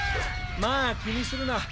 まあ気にするな。